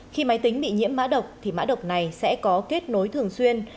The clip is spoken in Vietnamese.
khi máy tính bị nhiễm mã độc thì mã độc này sẽ có kết nối thường xuyên